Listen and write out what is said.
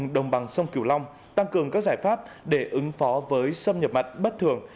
đồng bằng sông cửu long tăng cường các giải pháp để ứng phó với xâm nhập mặn bất thường